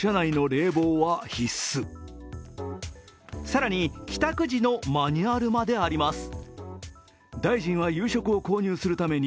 更に帰宅時のマニュアルまであります。